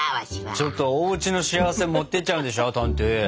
ちょっとおうちの幸せ持っていっちゃうんでしょトントゥ？